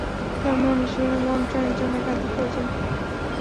ধর্মের অনুশীলনে মনঃসংযম একান্ত প্রয়োজন।